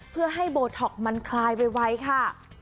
เพื่อให้โบท็อกมันคลายไวค่ะ